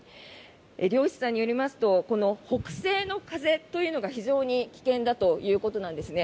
漁師さんによりますとこの北西の風というのが非常に危険だということなんですね。